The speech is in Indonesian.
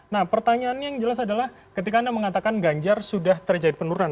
nah pertanyaannya yang jelas adalah ketika anda mengatakan ganjar sudah terjadi penurunan